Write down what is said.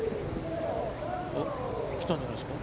来たんじゃないですか。